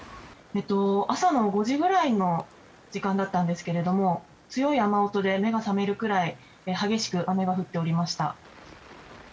朝の５時ぐらいの時間だったんですけれども強い雨音で目が覚めるくらい激しく降っておりました。